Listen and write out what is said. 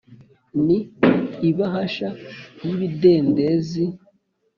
ni ibahasha y'ibidendezi.